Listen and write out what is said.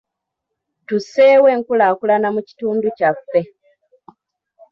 Tusseewo enkulaakulana mu kitundu kyaffe.